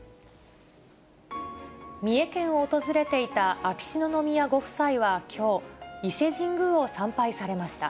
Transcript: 三重県を訪れていた秋篠宮ご夫妻はきょう、伊勢神宮を参拝されました。